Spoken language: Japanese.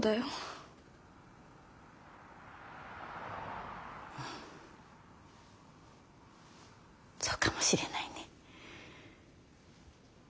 うんそうかもしれないね。